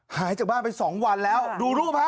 หายจากบ้านไป๒วันแล้วดูรูปฮะ